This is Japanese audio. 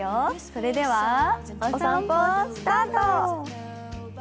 それではお散歩スタート。